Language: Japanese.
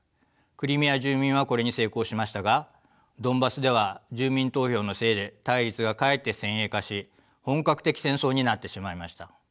クリミア住民はこれに成功しましたがドンバスでは住民投票のせいで対立がかえって先鋭化し本格的戦争になってしまいました。